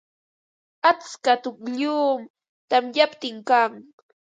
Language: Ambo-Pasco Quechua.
Atska tukllum tamyaptin kan.